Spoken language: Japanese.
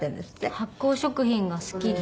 発酵食品が好きで。